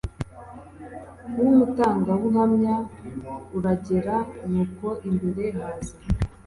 w’umutangabuhamya uragera nuko imbere haza